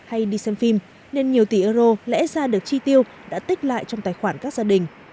hay đi xem phim nên nhiều tỷ euro lẽ ra được chi tiêu đã tích lại trong tài khoản các gia đình